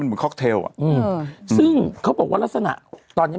มีสารตั้งต้นเนี่ยคือยาเคเนี่ยใช่ไหมคะ